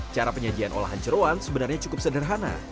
cara penyajian olahan jeruan sebenarnya cukup sederhana